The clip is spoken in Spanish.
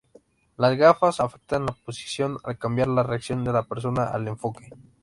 Las gafas afectan la posición al cambiar la reacción de la persona al enfoque.